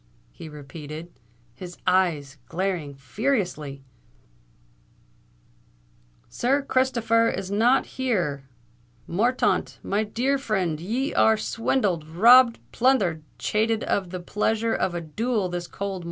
he repeated, his eyes glaring furiously, "Sir Christopher is not here! Morthaunt, my dear frind, ye are swindled—robbed—plunthered—chated of the pleasure of a duel this cold mornin'.